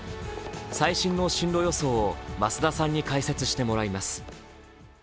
最新の進路予想を増田さんに解説してもらいます。